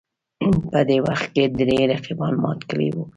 په دې وخت کې درې رقیبان مات کړي وو